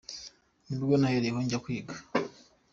Ni bwo nahereyeho njya kwiga.